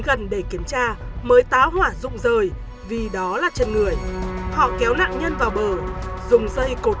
công an kiểm tra mới táo hỏa rụng rời vì đó là chân người họ kéo nạn nhân vào bờ dùng dây cột